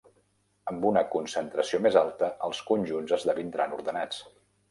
Amb una concentració més alta, els conjunts esdevindran ordenats.